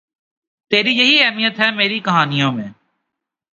تری یہی اہمیت ہے میری کہانیوں میں